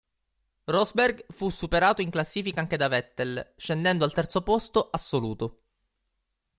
Rosberg fu superato in classifica anche da Vettel, scendendo al terzo posto assoluto.